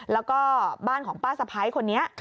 แล้วก็บ้านของป้าสะพ้ายคนนี้